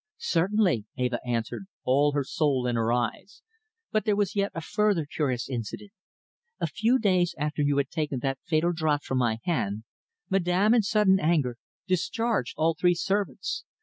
"Certainly," Eva answered, all her soul in her eyes. "But there was yet a further curious incident. A few days after you had taken that fatal draught from my hand, Madame, in sudden anger, discharged all three servants.